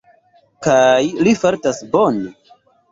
Kaj li fartas bone.